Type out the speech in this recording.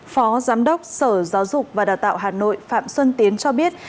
phó giám đốc sở giáo dục và đào tạo hà nội phạm xuân tiến cho biết